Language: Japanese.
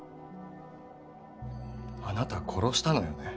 あなた殺したのよね？